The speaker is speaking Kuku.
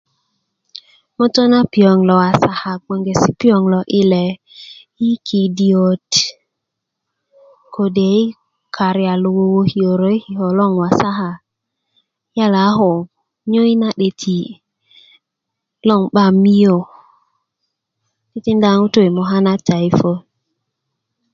mötö na piöŋ lo wasaka bgengeti piöŋ lo ile i kidiyöt kode i karia lo wöwökiyörö i kikölin kata loŋ wasaka yala a ko nyöj na 'deti lon 'ba miyö titinda ŋutu i möka na taipot